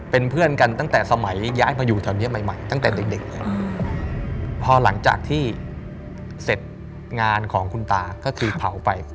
เป็นเพื่อนกันตั้งแต่สมัยย้ายมาอยู่แถวนี้ใหม่ใหม่ตั้งแต่เด็กเลยพอหลังจากที่เสร็จงานของคุณตาก็คือเผาไป